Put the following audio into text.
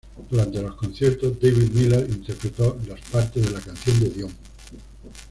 Durante los conciertos, David Miller interpretó las partes de la canción de Dion.